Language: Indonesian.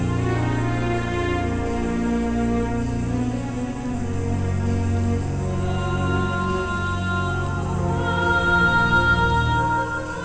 aku ingin berbicara dengan kakak prabu